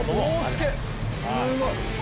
すごい。